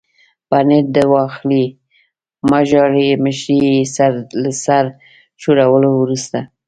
پنیر در واخلئ، مه ژاړئ، مشرې یې له سر ښورولو وروسته.